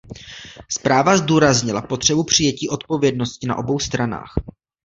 Zpráva zdůraznila potřebu přijetí odpovědnosti na obou stranách.